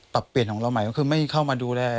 ปรับเปลี่ยนของเราใหม่ก็คือไม่เข้ามาดูแล